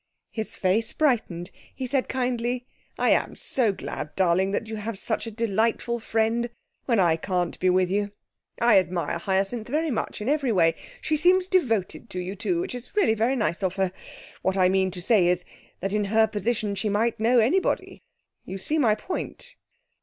His face brightened. He said kindly, 'I am so glad, darling, that you have such a delightful friend when I can't be with you. I admire Hyacinth very much, in every way. She seems devoted to you, too, which is really very nice of her. What I mean to say is, that in her position she might know anybody. You see my point?'